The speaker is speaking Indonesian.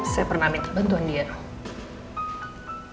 saya pernah minta bantuan dia